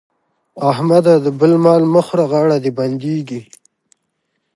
احمده! د بل مال مه خوره غاړه دې بندېږي.